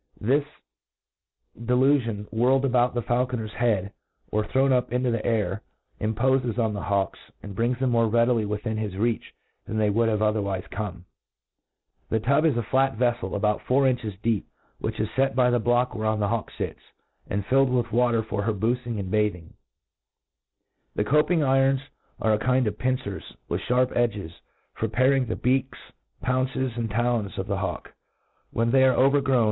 This delu fion, whirled around the faulconcr^s head, or thrown up into the air, impofes on the hawks^ and brings them more readily within his reach than they would have otherwife come* The Tub is a flat veflel, about, four inches deep, which is fet by the blocl^ whereon the hawk fits, and filled with xvater for her boufihg and bathing* The CoppiNG iRONs are a kind of pincers^ with iharp edges, for paring the beak, pounceSg^ and talons of the hawk, when they are over« grown